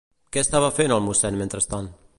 Què estava fent el mossèn mentrestant?